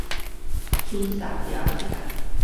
披薩訂起來